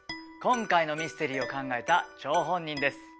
今回のミステリーを考えた張本人です。